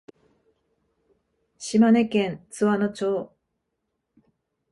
島根県津和野町